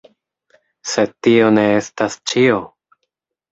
Sed tio ne estas ĉio!